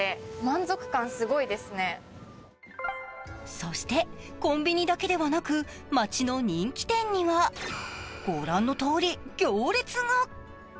そしてコンビニだけではなく街の人気店にも御覧のとおり、行列が。